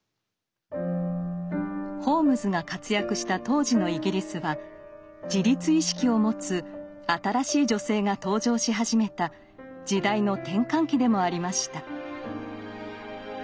ホームズが活躍した当時のイギリスは自立意識を持つ「新しい女性」が登場し始めた時代の転換期でもありました。